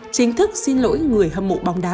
chính thức xin lỗi người hâm mộ bóng đá